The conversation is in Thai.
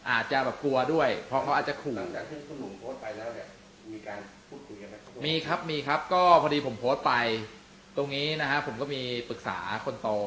อาจจะแบบกลัวด้วยเพราะเขาอาจจะขูดพอดีผมโพสต์ไปตรงนี้นะฮะผมก็มีปรึกษาคนโต